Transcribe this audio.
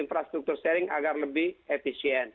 infrastruktur sharing agar lebih efisien